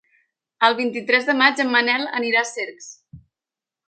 El vint-i-tres de maig en Manel anirà a Cercs.